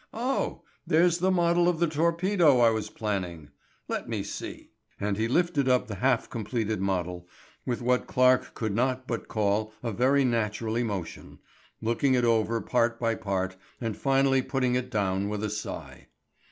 Oh, there's the model of the torpedo I was planning! Let me see," and he lifted up the half completed model, with what Clarke could not but call a very natural emotion, looking it over part by part and finally putting it down with a sigh.